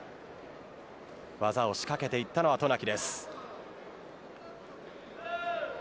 技を仕掛けていったのは渡名喜です。